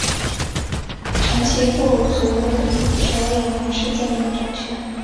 长其部族首领侬氏建立的政权。